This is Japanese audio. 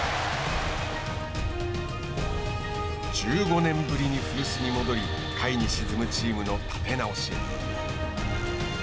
１５年ぶりに古巣に戻り下位に沈むチームの立て直しへ。